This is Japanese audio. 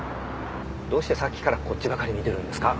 どうしてさっきからこっちばかり見てるんですか？